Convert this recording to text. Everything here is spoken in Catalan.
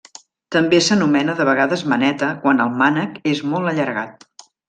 També s'anomena de vegades maneta quan el mànec és molt allargat.